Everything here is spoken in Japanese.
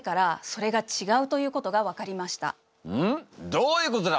どういうことだ！？